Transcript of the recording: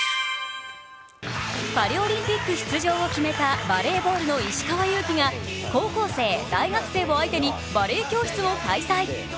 パリオリンピック出場を決めたバレーボールの石川祐希が高校生・大学生を相手に、バレー教室を開催。